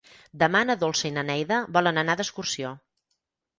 Demà na Dolça i na Neida volen anar d'excursió.